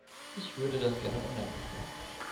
Ich würde das gerne online bestellen.